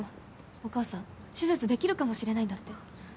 お母さん手術できるかもしれないんだって？